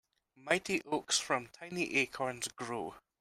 Mighty oaks from tiny acorns grow.